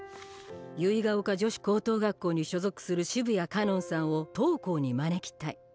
「結ヶ丘女子高等学校に所属する澁谷かのんさんを当校に招きたい。